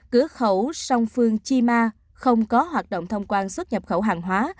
cửa khẩu sông phương chi ma không có hoạt động thông quan xuất nhập khẩu hàng hóa